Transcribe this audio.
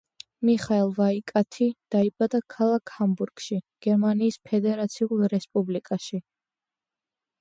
მიხაელ ვაიკათი დაიბადა ქალაქ ჰამბურგში, გერმანიის ფედერაციულ რესპუბლიკაში.